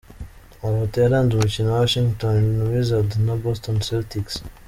Amafoto yaranze umukino wa Washington Wizards na Boston Celtics.